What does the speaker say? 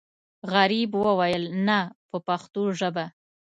غریب وویل نه په پښتو ژبه.